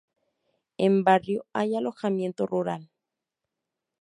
En Barrio hay alojamiento rural.